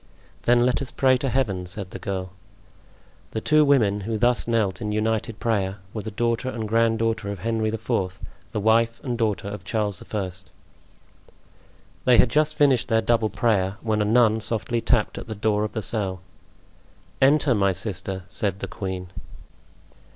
"Then let us pray to Heaven," said the girl. The two women who thus knelt in united prayer were the daughter and grand daughter of Henry IV., the wife and daughter of Charles I. They had just finished their double prayer, when a nun softly tapped at the door of the cell. "Enter, my sister," said the queen.